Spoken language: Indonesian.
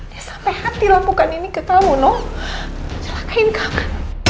dia sampai hati lakukan ini ke kamu no celakain kamu